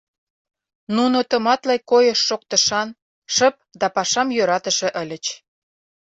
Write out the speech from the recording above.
Нуно тыматле койыш-шоктышан, шып да пашам йӧратыше ыльыч.